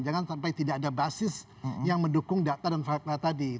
jangan sampai tidak ada basis yang mendukung data dan fakta tadi